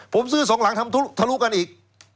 ผมซื้อสองหลังทำทะลุกันอีก